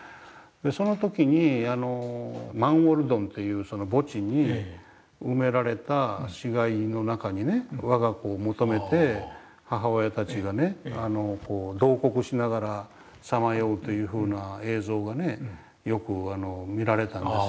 その時にマンウォルドンという墓地に埋められた死骸の中にわが子を求めて母親たちが慟哭しながらさまようというふうな映像がねよく見られたんですよ。